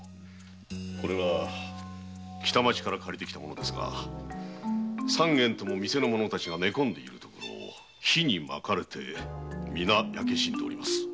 これは北町から借りてきたものですが三件とも店の者たちが寝込んでいるところを火に巻かれ皆焼け死んでおります。